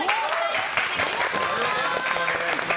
よろしくお願いします。